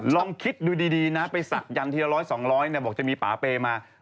ลองคิดดูดีนะไปศักดิ์จันทร์ทีละร้อย๒๐๐บอกจะมีป่าเปมา